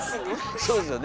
そうですよね。